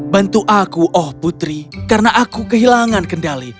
bantu aku oh putri karena aku kehilangan kendali